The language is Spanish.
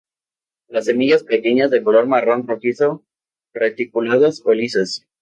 Las semillas pequeñas, de color marrón rojizo, reticuladas o lisas.